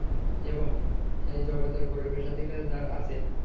এবং, এই জগতের প্রবেশাধিকার যার আছে।